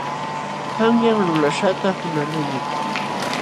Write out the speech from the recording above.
Qanyan lulaśhqata qunqaqluuñam.